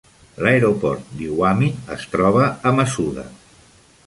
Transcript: L'aeroport d'Iwami es troba a Masuda.